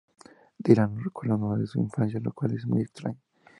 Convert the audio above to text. Dylan no recuerda nada de su infancia, lo cual es muy extraño.